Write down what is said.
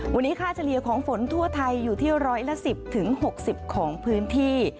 วันนี้ค่าเฉลี่ยของฝนทั่วไทยอยู่ที่ร้อยละ๑๐๖๐ของพื้นที่